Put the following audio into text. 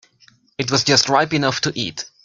It was just ripe enough to eat.